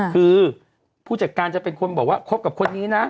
คือผู้จัดการจะเป็นคนบอกว่าคบกับคนนี้นะ